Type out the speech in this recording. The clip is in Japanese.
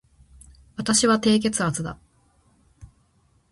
私は低血圧だ